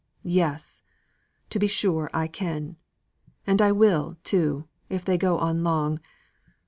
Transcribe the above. "Yes! to be sure, I can; and will, too, if they go on long.